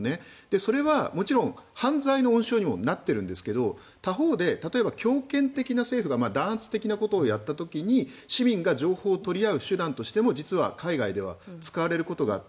それはもちろん犯罪の温床にもなっているんですが他方で例えば、強権的な政府が弾圧的なことをやった時に市民が情報を取り合う手段としても実は海外では使われることがあって。